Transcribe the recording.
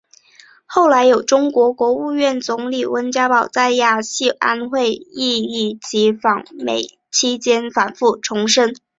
后来有中国国务院总理温家宝在亚细安会议以及访美期间反复重申。